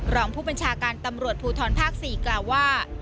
รองผู้บัญชาการตำรวจภูทรภาค๔กล่าวว่า